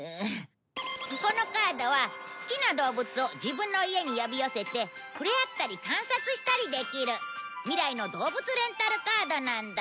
このカードは好きな動物を自分の家に呼び寄せて触れ合ったり観察したりできる未来の動物レンタルカードなんだ。